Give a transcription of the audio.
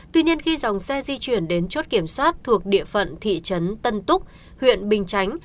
tuy nhiên khi dòng xe di chuyển đến chốt kiểm soát thuộc địa phận thị trấn tân túc huyện bình chánh